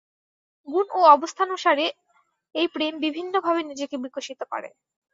গুণ ও অবস্থানুসারে এই প্রেম বিভিন্নভাবে নিজেকে বিকশিত করে।